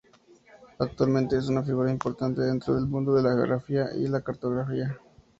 Actualmente es una figura importante dentro del mundo de la geografía y la cartografía.